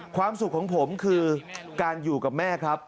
ความสุขของผมคือการอยู่กับแม่ครับ